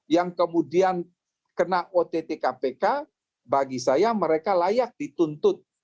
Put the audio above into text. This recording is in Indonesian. yang kemudian kena ott kpk bagi saya mereka layak dituntut